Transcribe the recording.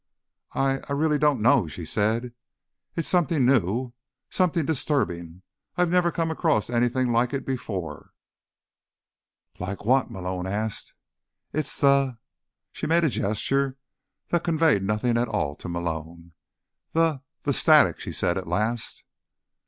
"I—I really don't know," she said. "It's something new, and something disturbing. I've never come across anything like it before." "Like what?" Malone asked. "It's the—" She made a gesture that conveyed nothing at all to Malone. "The—the static," she said at last.